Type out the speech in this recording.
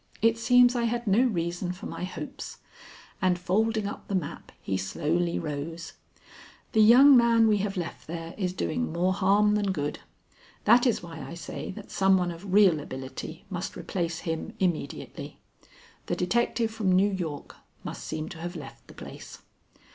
"It seems I had no reason for my hopes." And folding up the map, he slowly rose. "The young man we have left there is doing more harm than good. That is why I say that some one of real ability must replace him immediately. The detective from New York must seem to have left the place."